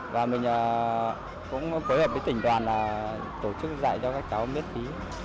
và mình cũng phối hợp với tỉnh đoàn là tổ chức dạy cho các cháu miễn phí